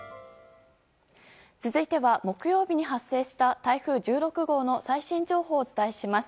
続いては木曜日に発生した台風１６号の最新情報をお伝えします。